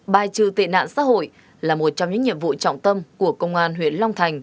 bài trừ tệ nạn xã hội là một trong những nhiệm vụ trọng tâm của công an huyện long thành